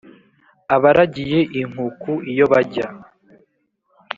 abaragiye inkuku iyo bajya !